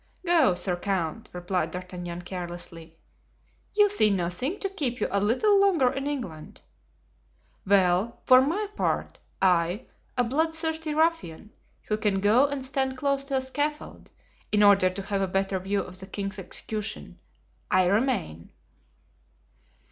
"Go, sir count," replied D'Artagnan, carelessly; "you see nothing to keep you a little longer in England? Well, for my part, I, a bloodthirsty ruffian, who can go and stand close to a scaffold, in order to have a better view of the king's execution—I remain."